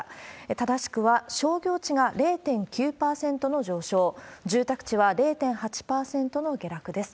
正しくは商業地が０．９％の上昇、住宅地は０．８％の下落です。